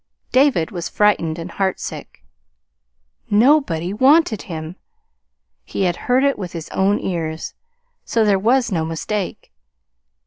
David was frightened and heartsick. NOBODY WANTED HIM. He had heard it with his own ears, so there was no mistake.